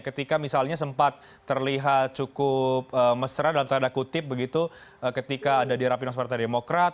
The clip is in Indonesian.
ketika misalnya sempat terlihat cukup mesra dalam tanda kutip begitu ketika ada di rapi naspartai demokrat